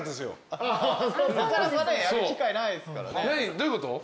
どういうこと？